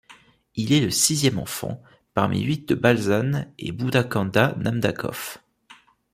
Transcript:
Il est le sixième enfant, parmi huit de Balzhan et Buda-Khanda Namdakov.